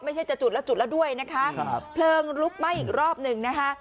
จะจุดแล้วจุดแล้วด้วยนะคะครับเพลิงลุกไหม้อีกรอบหนึ่งนะคะ